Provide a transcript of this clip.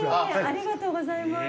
ありがとうございます。